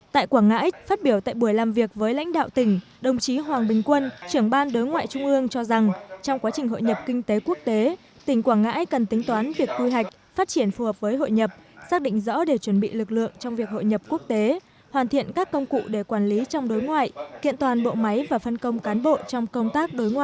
tại quảng ngãi phát biểu tại buổi làm việc với lãnh đạo tỉnh đồng chí hoàng bình quân trưởng ban đối ngoại trung ương cho rằng trong quá trình hội nhập kinh tế quốc tế tỉnh quảng ngãi cần tính toán việc cư hạch phát triển phù hợp với hội nhập xác định rõ để chuẩn bị lực lượng trong việc hội nhập quốc tế hoàn thiện các công cụ để quản lý trong đối ngoại kiện toàn bộ máy và phân công cán bộ trong công tác đối ngoại